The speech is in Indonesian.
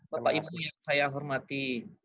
bapak ibu yang saya hormati